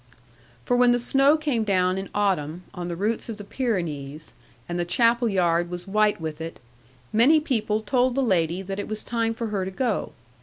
'For when the snow came down in autumn on the roots of the Pyrenees, and the chapel yard was white with it, many people told the lady that it was time for her to go.